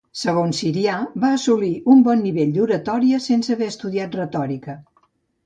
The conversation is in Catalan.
Segons Sirià va assolir un bon nivell d'oratòria sense haver estudiat retòrica.